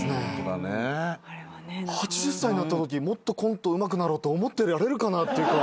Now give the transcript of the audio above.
８０歳になったときもっとコントうまくなろうと思ってやれるかなというか。